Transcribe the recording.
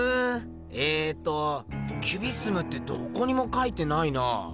ええとキュビスムってどこにも書いてないなあ。